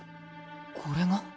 これが？